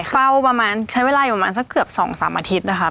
เฝ้าประมาณใช้เวลาอยู่ประมาณสักเกือบสองสามอาทิตย์นะคะครับ